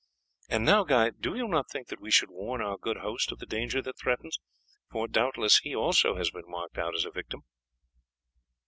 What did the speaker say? And now, Guy, do you not think that we should warn our good host of the danger that threatens, for, doubtless, he also has been marked out as a victim?"